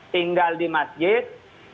tinggal di masjid